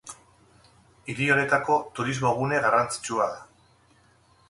Hiri honetako turismo gune garrantzitsua da.